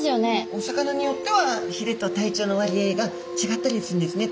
お魚によってはひれと体長の割合が違ったりするんですね。